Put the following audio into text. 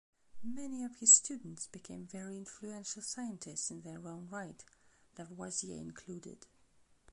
Many of his students became very influential scientists in their own right, Lavoisier included.